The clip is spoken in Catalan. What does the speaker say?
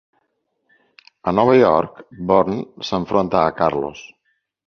A Nova York, Bourne s'enfronta a Carlos.